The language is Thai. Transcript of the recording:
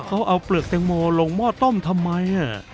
เขาเอาเปลือกแตงโมลงหม้อต้มทำไม